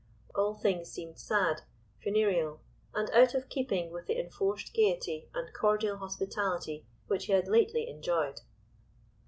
All things seemed sad, funereal, and out of keeping with the enforced gaiety and cordial hospitality which he had lately enjoyed.